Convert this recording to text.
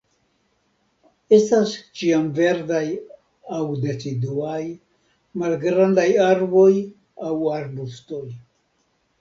Estas ĉiamverdaj aŭ deciduaj, malgrandaj arboj aŭ arbustoj.